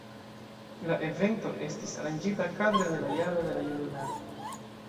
La evento estis aranĝita kadre de la Jaro de la Junularo.